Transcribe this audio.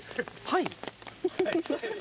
はい？